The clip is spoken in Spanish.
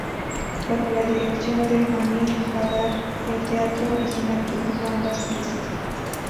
Bajo la dirección de Amir Haddad, el Teatro Oficina produjo ambas piezas.